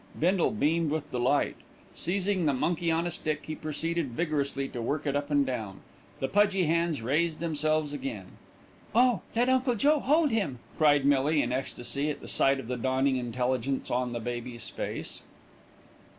Bindle beamed with delight. Seizing the monkey on a stick he proceeded vigorously to work it up and down. The pudgy hands raised themselves again. "Oh! let Uncle Joe hold him," cried Millie, in ecstasy at the sight of the dawning intelligence on the baby's face.